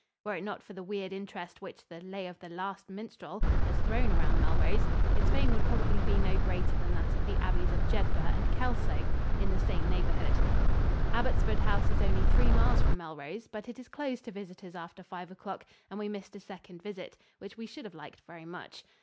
Were it not for the weird interest which the "Lay of the Last Minstrel" has thrown around Melrose, its fame would probably be no greater than that of the abbeys of Jedburgh and Kelso in the same neighborhood. Abbottsford House is only three miles from Melrose, but it is closed to visitors after five o'clock and we missed a second visit, which we should have liked very much.